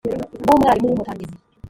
rw umwarimu w umutangizi